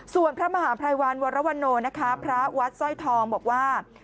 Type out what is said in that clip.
ส่วนพระมหาพลายวานวรวณวรณโอพระวัสด์สร้อยทองบอกว่า